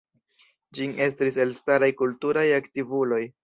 Ĝin estris elstaraj kulturaj aktivuloj.